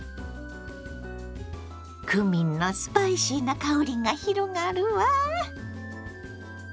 クミンのスパイシーな香りが広がるわ！